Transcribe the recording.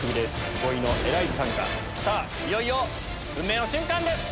いよいよ運命の瞬間です！